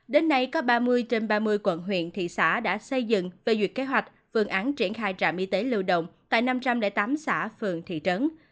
đến nay có ba mươi trên ba mươi quận huyện thị xã đã xây dựng phê duyệt kế hoạch phương án triển khai trạm y tế lưu động tại năm trăm linh tám xã phường thị trấn